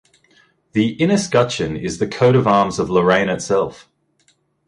The inescutcheon is the coat of arms of Lorraine itself.